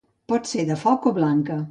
Pot ser de foc o blanca.